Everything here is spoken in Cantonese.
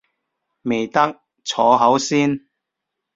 未得，坐好先